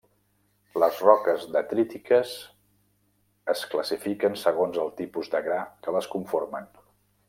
Les roques detrítiques es classifiquen segons el tipus de gra que les conformen.